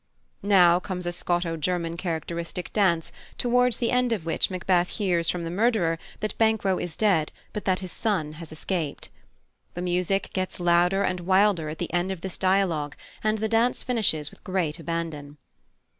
Now comes a Scoto German characteristic dance, towards the end of which Macbeth hears from the murderer that Banquo is dead, but that his son has escaped. The music gets louder and wilder at the end of this dialogue, and the dance finishes with great abandon.